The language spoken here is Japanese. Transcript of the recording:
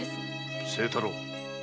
清太郎。